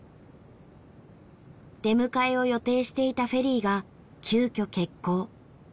出迎えを予定していたフェリーが急きょ欠航。